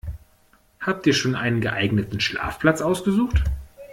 Habt ihr schon einen geeigneten Schlafplatz ausgesucht?